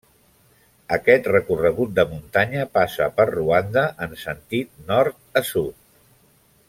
Aquest recorregut de muntanya passa per Ruanda en sentit nord a sud.